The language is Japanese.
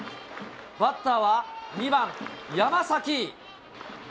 バッターは２番山崎。